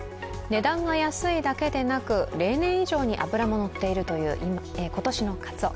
値段が安いだけでなく例年以上に脂ものっているという今年のかつお。